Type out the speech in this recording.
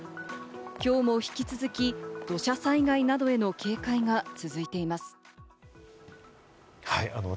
今日も引き続き、土砂災害などへの警戒が続いています。